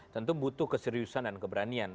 tentu butuh keseriusan dan keberanian